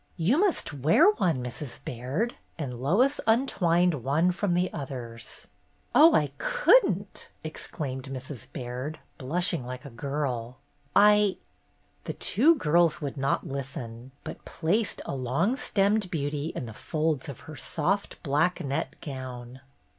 "You must wear one, Mrs. Baird," and Lois untwined one from the others. "Oh, I couldn't!" exclaimed Mrs. Baird, blushing like a girl. "I —" The two girls would not listen, but placed a long stemmed beauty in the folds of her soft black net gown.